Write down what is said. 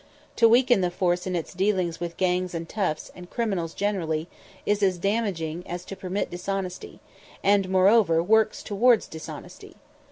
To weaken the force in its dealings with gangs and toughs and criminals generally is as damaging as to permit dishonesty, and, moreover, works towards dishonesty.